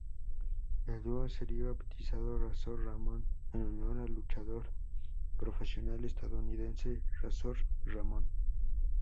El dúo sería bautizado "Razor Ramon", en honor al luchador profesional estadounidense Razor Ramon.